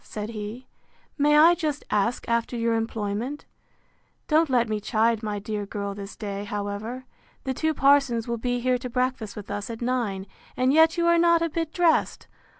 said he, May I just ask after your employment? Don't let me chide my dear girl this day, however. The two parsons will be here to breakfast with us at nine; and yet you are not a bit dressed!